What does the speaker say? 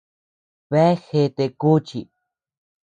Bea gèète kuchi.